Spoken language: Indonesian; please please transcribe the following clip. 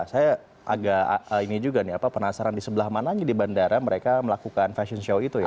saya agak penasaran di sebelah mana aja di bandara mereka melakukan fashion show itu ya